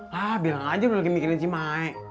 hah bilang aja lu lagi mikirin si maik